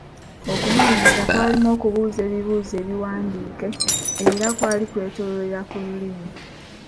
Okunoonyereza kwalimu okubuuza ebibuuzo ebiwandiike era kwali kwetooloolera ku lulimi.